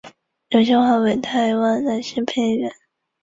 刘锡华为台湾男性配音员。